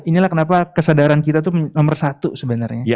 inilah kenapa kesadaran kita itu nomor satu sebenarnya